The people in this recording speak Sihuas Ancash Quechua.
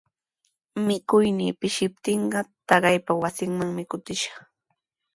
Mikuynii pishiptinqa taytaapa wasinmanmi kutishaq.